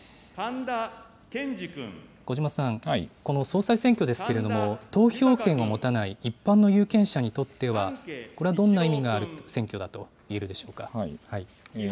小嶋さん、この総裁選挙ですけれども、投票権を持たない一般の有権者にとっては、これはどんな意味がある選挙だといえるでしょうか。